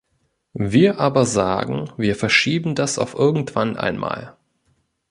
Wir aber sagen, wir verschieben das auf irgendwann einmal.